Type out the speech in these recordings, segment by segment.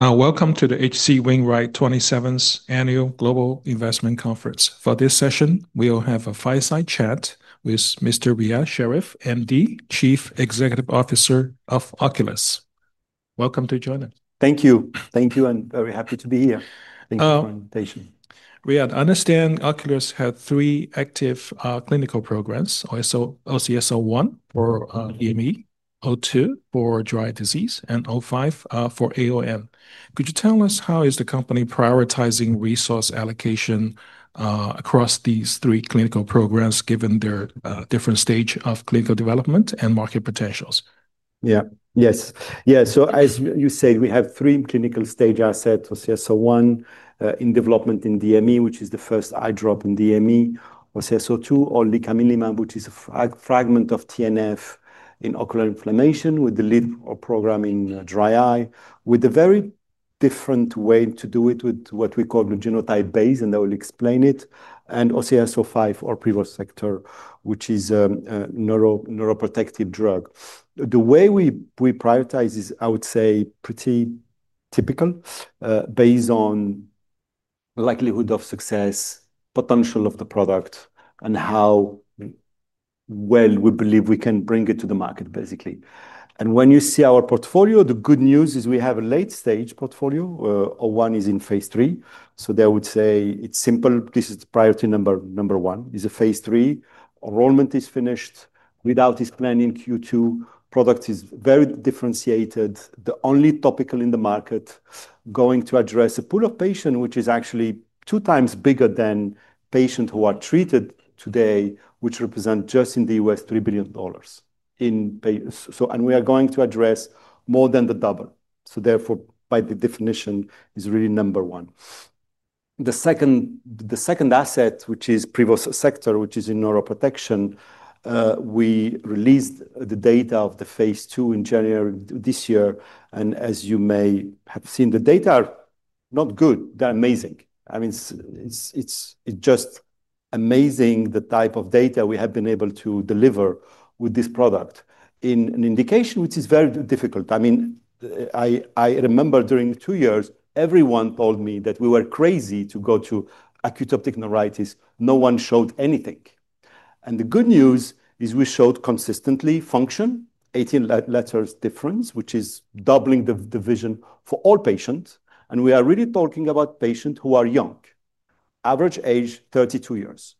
Welcome to the H.C. Wainwright 27th Annual Global Investment Conference. For this session, we'll have a fireside chat with Dr. Riad Sherif, MD, Chief Executive Officer of Oculis Holding AG. Welcome to join us. Thank you. Thank you, and very happy to be here. Thank you for the invitation. Riad, I understand Oculis has three active clinical programs: OCS-01 for DME, OCS-02 for dry eye disease, and OCS-05 for AON. Could you tell us how the company is prioritizing resource allocation across these three clinical programs given their different stages of clinical development and market potentials? Yeah, yes. Yeah, so as you said, we have three clinical stages: OCS-01 in development in DME, which is the first eye drop in DME; OCS-02 on Licaminlimab, which is a fragment of TNF in ocular inflammation with the lead program in dry eye, with a very different way to do it with what we call genotype-based, and I will explain it; and OCS-05, or Privosergtor, which is a neuroprotective drug. The way we prioritize is, I would say, pretty typical, based on the likelihood of success, the potential of the product, and how well we believe we can bring it to the market, basically. When you see our portfolio, the good news is we have a late-stage portfolio. OCS-01 is in phase 3. I would say it's simple. This is priority number one. It's a phase 3. Enrollment is finished. Readout is planning Q2. Product is very differentiated. The only topical in the market going to address a pool of patients, which is actually two times bigger than patients who are treated today, which represents just in the U.S. $3 billion. We are going to address more than the double. Therefore, by the definition, it's really number one. The second asset, which is Privosergtor, which is in neuroprotection, we released the data of the phase 2 in January this year. As you may have seen, the data are not good. They're amazing. I mean, it's just amazing the type of data we have been able to deliver with this product in an indication which is very difficult. I remember during the two years, everyone told me that we were crazy to go to acute optic neuritis. No one showed anything. The good news is we showed consistently function, 18 letters difference, which is doubling the vision for all patients. We are really talking about patients who are young, average age 32 years.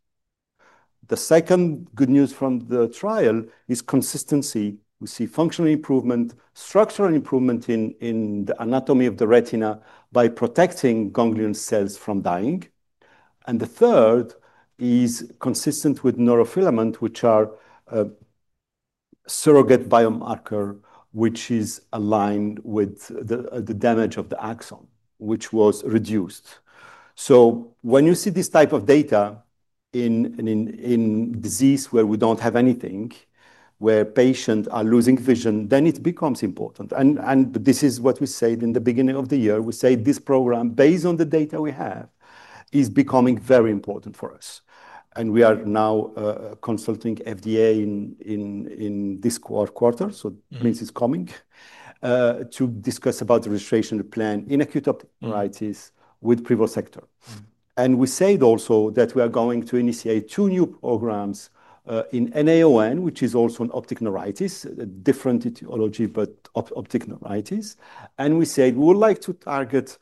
The second good news from the trial is consistency. We see functional improvement, structural improvement in the anatomy of the retina by protecting ganglion cells from dying. The third is consistent with neurofilament, which are surrogate biomarkers, which are aligned with the damage of the axon, which was reduced. When you see this type of data in a disease where we don't have anything, where patients are losing vision, it becomes important. This is what we said in the beginning of the year. We said this program, based on the data we have, is becoming very important for us. We are now consulting FDA in this quarter. It means it's coming to discuss about the registration plan in acute optic neuritis with Privosergtor. We said also that we are going to initiate two new programs in NAION, which is also an optic neuritis, a different etiology, but optic neuritis. We said we would like to target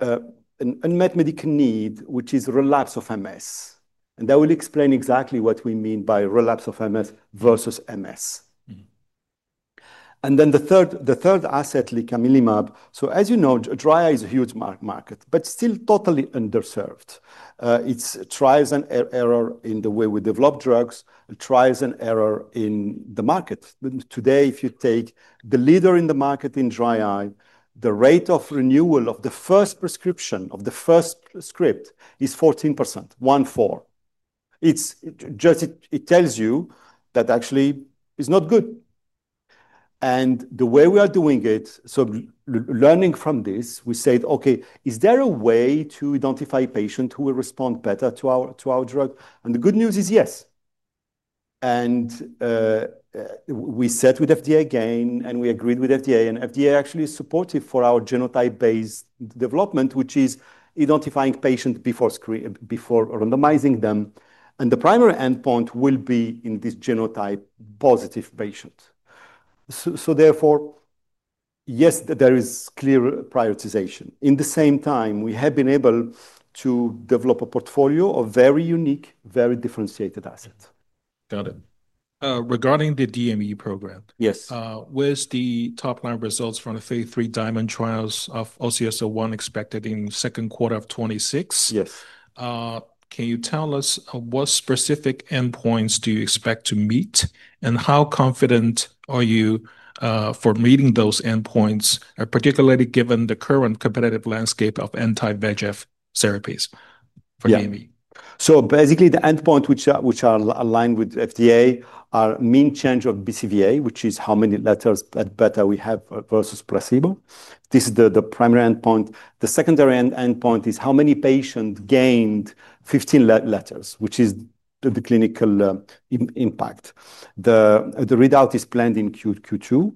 an unmet medical need, which is relapse of MS. I will explain exactly what we mean by relapse of MS versus MS. The third asset, Licaminlimab. As you know, dry eye is a huge market, but still totally underserved. It's a trial and error in the way we develop drugs, a trial and error in the market. Today, if you take the leader in the market in dry eye, the rate of renewal of the first prescription, of the first script, is 14%, one fourth. It tells you that actually it's not good. The way we are doing it, learning from this, we said, OK, is there a way to identify patients who will respond better to our drug? The good news is yes. We sat with FDA again, and we agreed with FDA. FDA actually is supportive for our genotype-based development, which is identifying patients before randomizing them. The primary endpoint will be in this genotype-positive patient. Therefore, yes, there is clear prioritization. In the same time, we have been able to develop a portfolio of very unique, very differentiated assets. Got it. Regarding the DME program, were the top-line results from the phase 3 DIAMOND trials of OCS-01 expected in the second quarter of 2026? Yes. Can you tell us what specific endpoints do you expect to meet, and how confident are you for meeting those endpoints, particularly given the current competitive landscape of anti-VEGF therapies for DME? Yeah. So basically, the endpoints which are aligned with the FDA are mean change of BCVA, which is how many letters better we have versus placebo. This is the primary endpoint. The secondary endpoint is how many patients gained 15 letters, which is the clinical impact. The readout is planned in Q2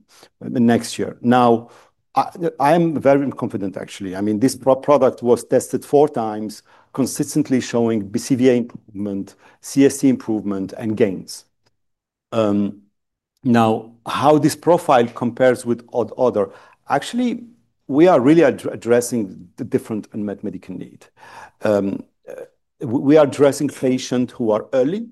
next year. Now, I am very confident, actually. I mean, this product was tested four times, consistently showing BCVA improvement, CSC improvement, and gains. Now, how this profile compares with others, actually, we are really addressing the different unmet medical needs. We are addressing patients who are early,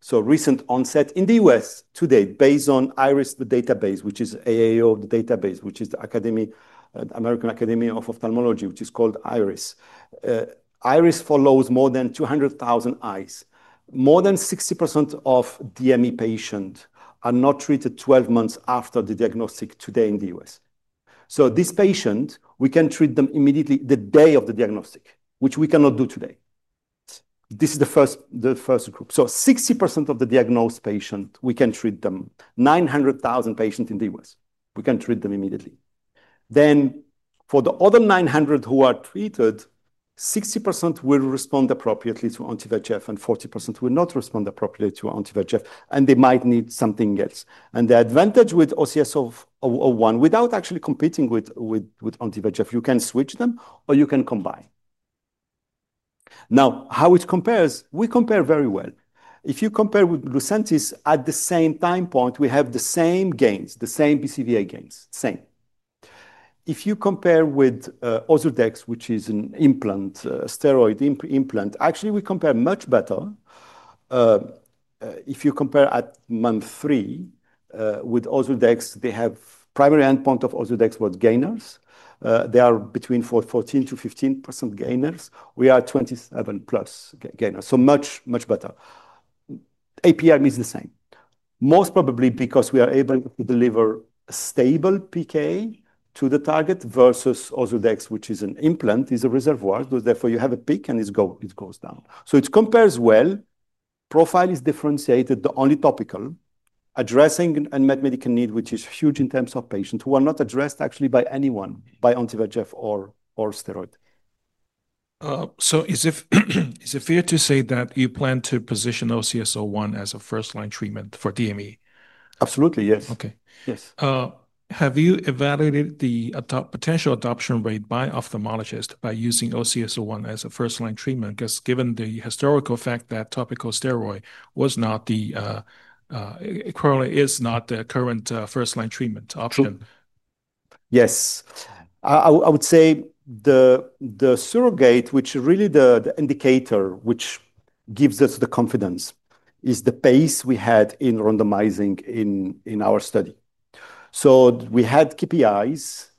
so recent onset. In the U.S. today, based on IRIS, the database, which is AAO, the database, which is the American Academy of Ophthalmology, which is called IRIS. IRIS follows more than 200,000 eyes. More than 60% of DME patients are not treated 12 months after the diagnostic today in the U.S. These patients, we can treat them immediately the day of the diagnostic, which we cannot do today. This is the first group. So 60% of the diagnosed patients, we can treat them. 900,000 patients in the U.S., we can treat them immediately. For the other 900,000 who are treated, 60% will respond appropriately to anti-VEGF, and 40% will not respond appropriately to anti-VEGF, and they might need something else. The advantage with OCS-01, without actually competing with anti-VEGF, you can switch them, or you can combine. Now, how it compares, we compare very well. If you compare with Lucentis, at the same time point, we have the same gains, the same BCVA gains, same. If you compare with Ozurdex, which is an implant, a steroid implant, actually, we compare much better. If you compare at month three with Ozurdex, the primary endpoint of Ozurdex was gainers. They are between 14% to 15% gainers. We are 27% plus gainers. Much, much better. APR is the same, most probably because we are able to deliver a stable PK to the target versus Ozurdex, which is an implant, is a reservoir. Therefore, you have a peak, and it goes down. It compares well. The profile is differentiated, the only topical, addressing unmet medical needs, which is huge in terms of patients who are not addressed actually by anyone, by anti-VEGF or steroid. Is it fair to say that you plan to position OCS-01 as a first-line treatment for DME? Absolutely, yes. OK. Yes. Have you evaluated the potential adoption rate by ophthalmologists by using OCS-01 as a first-line treatment? Because given the historical fact that topical steroid was not, currently is not, the current first-line treatment option. Yes. I would say the surrogate, which is really the indicator which gives us the confidence, is the pace we had in randomizing in our study. We had KPIs,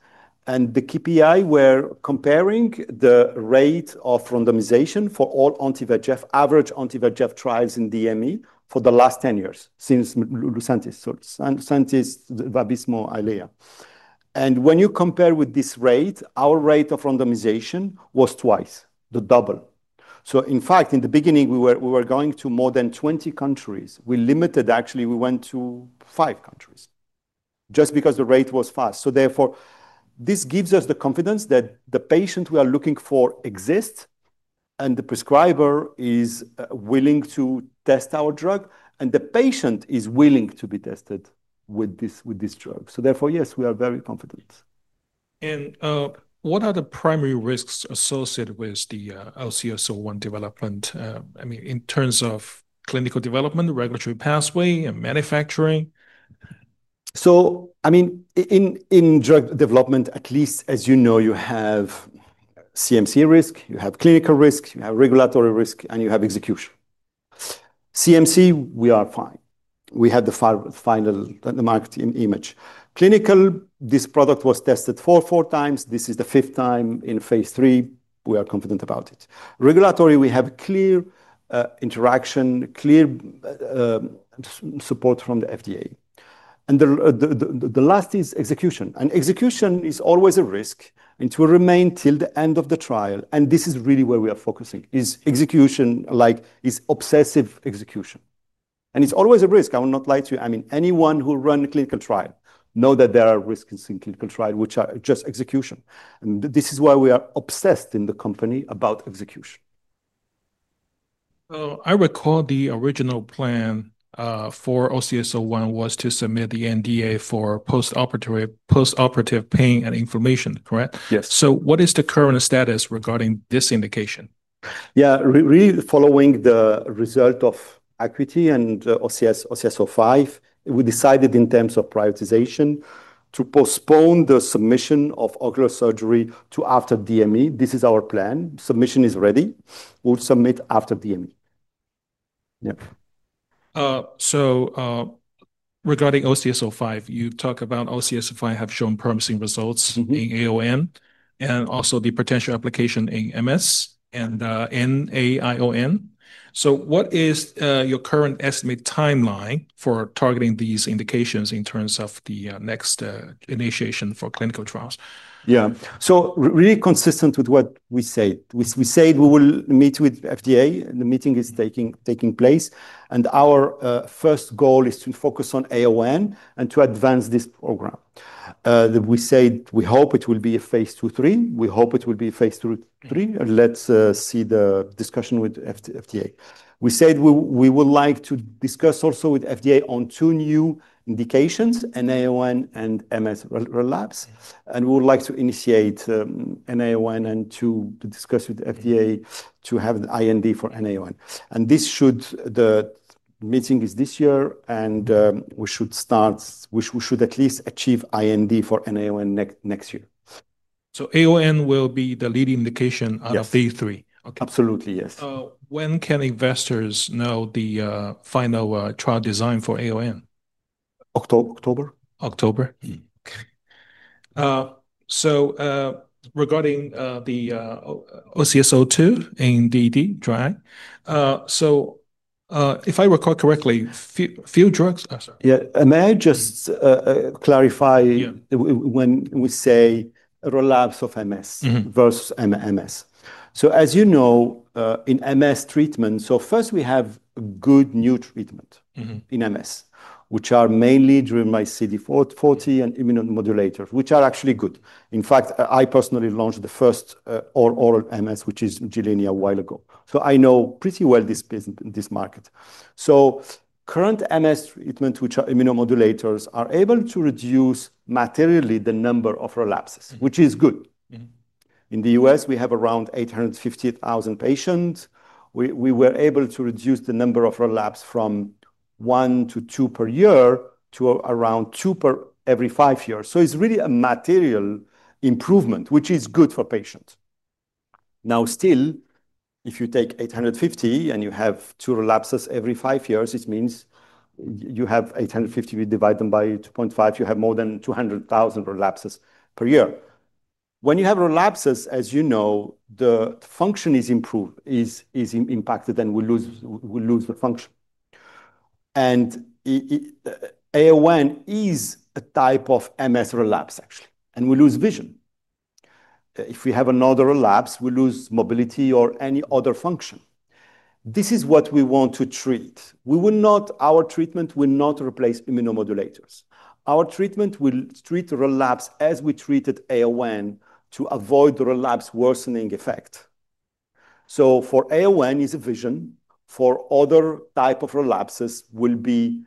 and the KPI, we're comparing the rate of randomization for all anti-VEGF, average anti-VEGF trials in DME for the last 10 years, since Lucentis, Eylea, and Vabysmo. When you compare with this rate, our rate of randomization was twice, the double. In the beginning, we were going to more than 20 countries. We limited, actually, we went to five countries just because the rate was fast. This gives us the confidence that the patient we are looking for exists, and the prescriber is willing to test our drug, and the patient is willing to be tested with this drug. Yes, we are very confident. What are the primary risks associated with the OCS-01 development? I mean, in terms of clinical development, regulatory pathway, and manufacturing? In drug development, at least as you know, you have CMC risk, you have clinical risk, you have regulatory risk, and you have execution. CMC, we are fine. We had the final marketing image. Clinical, this product was tested four times. This is the fifth time in phase 3. We are confident about it. Regulatory, we have clear interaction, clear support from the FDA. The last is execution. Execution is always a risk, and it will remain till the end of the trial. This is really where we are focusing, is execution, like obsessive execution. It's always a risk. I will not lie to you. Anyone who will run a clinical trial knows that there are risks in clinical trials, which are just execution. This is why we are obsessed in the company about execution. I recall the original plan for OCS-01 was to submit the NDA for postoperative pain and inflammation, correct? Yes. What is the current status regarding this indication? Yeah, really following the result of ACUITY and Privosergtor (OCS-05), we decided in terms of prioritization to postpone the submission of ocular surgery to after DME. This is our plan. Submission is ready. We'll submit after DME. Regarding Privosergtor (OCS-05), you talk about OCS-05 has shown promising results in AON and also the potential application in MS and NAION. What is your current estimate timeline for targeting these indications in terms of the next initiation for clinical trials? Yeah, so really consistent with what we said. We said we will meet with the FDA. The meeting is taking place. Our first goal is to focus on AON and to advance this program. We said we hope it will be a phase 2-3. We hope it will be a phase 2-3. Let's see the discussion with the FDA. We said we would like to discuss also with the FDA on two new indications, NAION and MS relapse. We would like to initiate NAION and to discuss with the FDA to have the IND for NAION. The meeting is this year, and we should start, we should at least achieve IND for NAION next year. Will AON be the lead indication of phase 3? Absolutely, yes. When can investors know the final trial design for AON? October. October? Regarding the Licaminlimab (OCS-02) in dry eye, so if I recall correctly, few drugs. May I just clarify when we say relapse of MS versus MS? As you know, in MS treatment, first we have good new treatments in MS, which are mainly driven by CD40 and immunomodulators, which are actually good. In fact, I personally launched the first oral MS, which is Gilenya a while ago. I know pretty well this market. Current MS treatments, which are immunomodulators, are able to reduce materially the number of relapses, which is good. In the U.S., we have around 850,000 patients. We were able to reduce the number of relapses from one to two per year to around two per every five years. It's really a material improvement, which is good for patients. Still, if you take 850 and you have two relapses every five years, it means you have 850, we divide them by 2.5, you have more than 200,000 relapses per year. When you have relapses, as you know, the function is impacted, and we lose the function. AON is a type of MS relapse, actually, and we lose vision. If we have another relapse, we lose mobility or any other function. This is what we want to treat. Our treatment will not replace immunomodulators. Our treatment will treat relapse as we treated AON to avoid the relapse worsening effect. For AON, it's vision. For other types of relapses, it will be,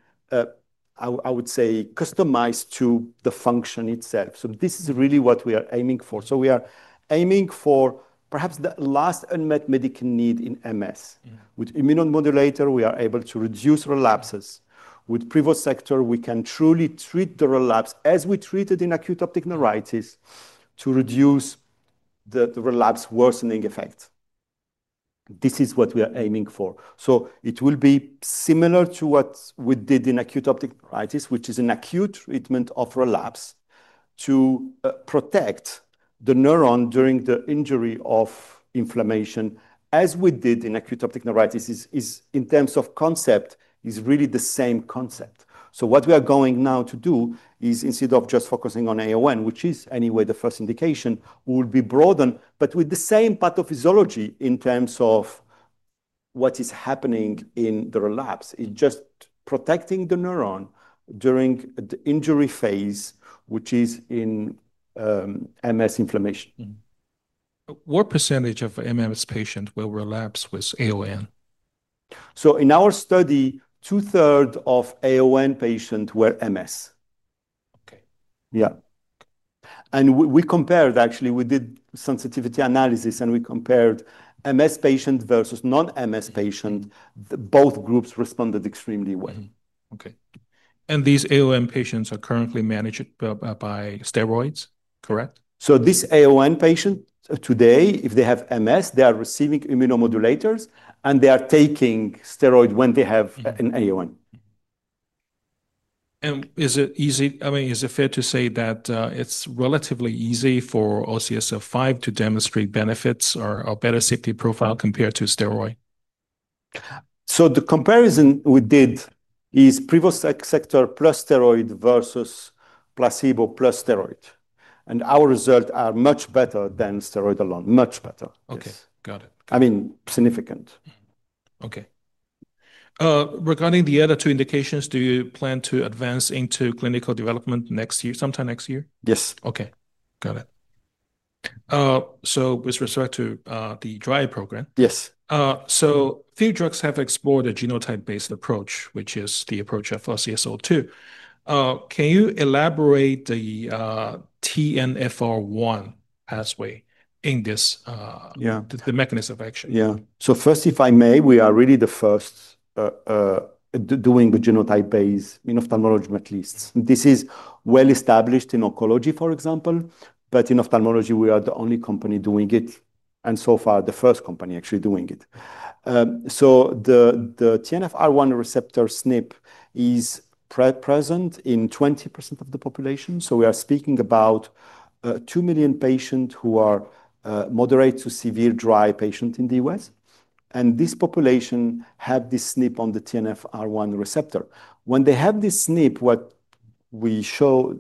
I would say, customized to the function itself. This is really what we are aiming for. We are aiming for perhaps the last unmet medical need in MS. With immunomodulators, we are able to reduce relapses. With Privosergtor, we can truly treat the relapse as we treat it in acute optic neuritis to reduce the relapse worsening effect. This is what we are aiming for. It will be similar to what we did in acute optic neuritis, which is an acute treatment of relapse to protect the neuron during the injury of inflammation, as we did in acute optic neuritis. In terms of concept, it's really the same concept. What we are going now to do is, instead of just focusing on AON, which is anyway the first indication, will be broadened, but with the same pathophysiology in terms of what is happening in the relapse. It's just protecting the neuron during the injury phase, which is in MS inflammation. What percentage of MS patients will relapse with AON? In our study, 2/3 of AON patients were MS. OK. Yeah, we compared, actually, we did sensitivity analysis, and we compared MS patients versus non-MS patients. Both groups responded extremely well. OK. These AON patients are currently managed by steroids, correct? These AON patients today, if they have MS, they are receiving immunomodulators, and they are taking steroids when they have an AON. Is it fair to say that it's relatively easy for Privosergtor (OCS-05) to demonstrate benefits or better safety profile compared to steroids? The comparison we did is Privosergtor plus steroids versus placebo plus steroids, and our results are much better than steroids alone, much better. OK, got it. I mean, significant. OK. Regarding the other two indications, do you plan to advance into clinical development next year, sometime next year? Yes. OK, got it. With respect to the dry eye program, yes, a few drugs have explored a genotype-based approach, which is the approach of Licaminlimab (OCS-02). Can you elaborate the TNFR1 pathway in this, the mechanism of action? Yeah. First, if I may, we are really the first doing a genotype-based in ophthalmology at least. This is well established in oncology, for example. In ophthalmology, we are the only company doing it, and so far the first company actually doing it. The TNFR1 receptor SNP is present in 20% of the population. We are speaking about 2 million patients who are moderate to severe dry patients in the U.S. This population had this SNP on the TNFR1 receptor. When they have this SNP, what we showed,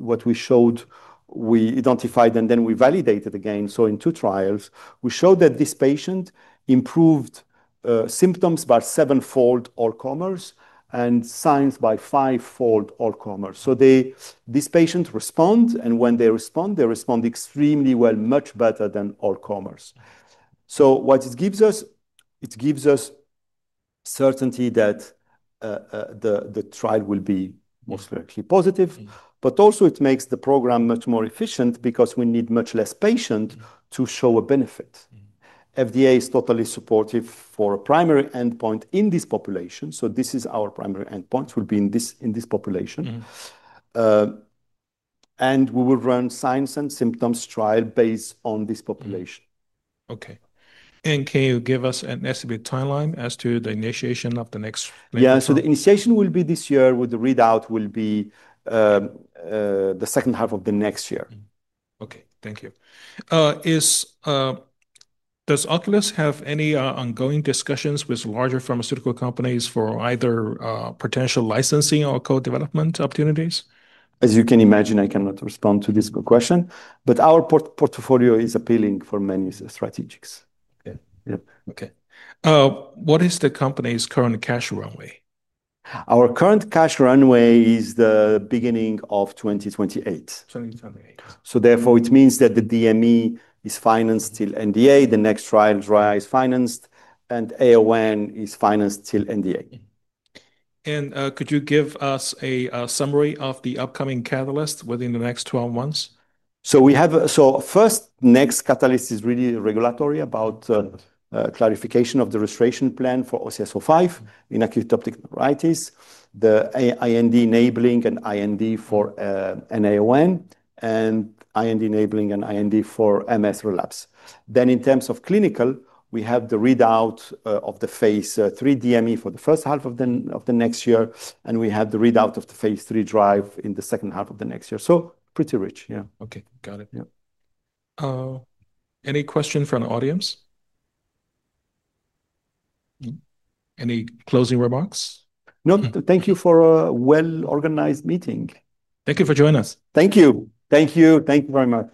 we identified, and then we validated again. In two trials, we showed that this patient improved symptoms by sevenfold, all comers, and signs by fivefold, all comers. This patient responds, and when they respond, they respond extremely well, much better than all comers. What it gives us, it gives us certainty that the trial will be most likely positive. It also makes the program much more efficient because we need much less patients to show a benefit. FDA is totally supportive for a primary endpoint in this population. This is our primary endpoint will be in this population. We will run signs and symptoms trials based on this population. OK. Can you give us an estimated timeline as to the initiation of the next? Yeah, the initiation will be this year, with the readout in the second half of next year. OK, thank you. Does Oculis have any ongoing discussions with larger pharmaceutical companies for either potential licensing or co-development opportunities? As you can imagine, I cannot respond to this question. Our portfolio is appealing for many strategies. OK. What is the company's current cash runway? Our current cash runway is the beginning of 2028. Therefore, it means that the DME is financed till NDA. The next trial, dry eye, is financed, and AON is financed till NDA. Could you give us a summary of the upcoming catalyst within the next 12 months? The next catalyst is really regulatory about clarification of the registration plan for Privosergtor (OCS-05) in acute optic neuritis, the IND enabling and IND for NAION, and IND enabling and IND for MS relapse. In terms of clinical, we have the readout of the phase 3 DME for the first half of the next year, and we have the readout of the phase 3 dry eye in the second half of the next year. Pretty rich, yeah. OK, got it. Yeah. Any questions from the audience? Any closing remarks? No, thank you for a well-organized meeting. Thank you for joining us. Thank you. Thank you very much.